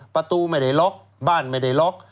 ประตูไม่ได้ล็อกบ้านไม่ได้ล็อก